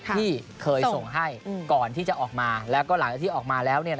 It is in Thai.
ที่เคยส่งให้ก่อนที่จะออกมาแล้วก็หลังจากที่ออกมาแล้ว